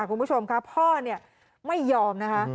คุณผู้ชมค่ะพ่อเนี่ยไม่ยอมนะคะ